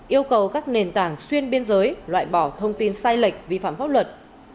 yêu cầu các nền tảng xuyên biên giới loại bỏ thông tin sai lệch vi phạm pháp luật